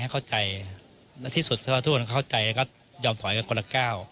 ให้เข้าใจที่สุดถูกคุณเข้าใจแล้วก็ยอมถอยกับคนละเก้า